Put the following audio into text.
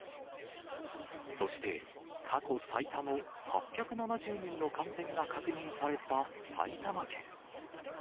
そして、過去最多の８７０人の感染が確認された埼玉県。